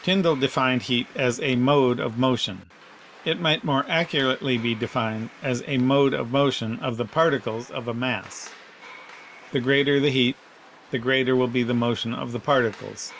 Tyndall defined heat as "a mode of motion." It might more accurately be defined as "a mode of motion of the particles of a mass ;" the greater the heat, the greater will be the motion of the particles.